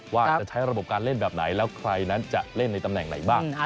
ว่าจะใช้ระบบการเล่นแบบไหนแล้วใครนั้นจะเล่นในตำแหน่งไหนบ้าง